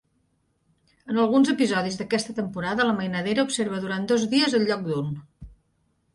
En alguns episodis d'aquesta temporada, la mainadera observa durant dos dies enlloc d'un.